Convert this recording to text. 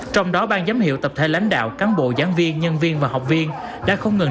trong đó ban giám hiệu tập thể lãnh đạo cán bộ giảng viên nhân viên và học viên đã không ngừng